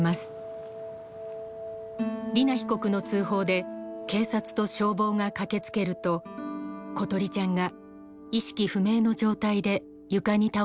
莉菜被告の通報で警察と消防が駆けつけると詩梨ちゃんが意識不明の状態で床に倒れていました。